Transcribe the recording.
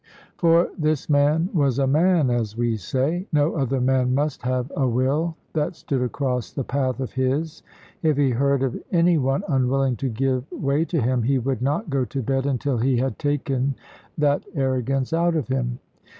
For this man was a man, as we say. No other man must have a will that stood across the path of his. If he heard of any one unwilling to give way to him, he would not go to bed until he had taken that arrogance out of him.